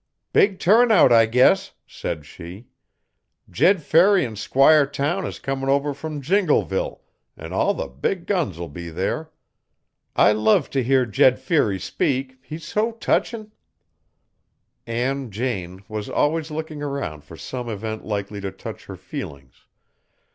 'Big turn out I guess,' said she. 'Jed Feary 'n' Squire Town is comin' over from Jingleville an' all the big guns'll be there. I love t' hear Jed Feary speak, he's so techin'.' Ann Jane was always looking around for some event likely to touch her feelings.